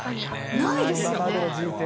ないですよね？